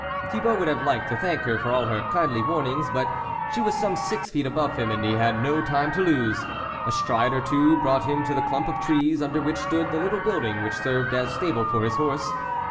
Thibault would have liked to thank her for all her kindly warnings, but she was some six feet above him and he had no time to lose. A stride or two brought him to the clump of trees under which stood the little building which served as stable for his horse.